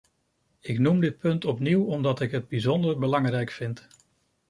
Ik noem dit punt opnieuw, omdat ik het bijzonder belangrijk vind.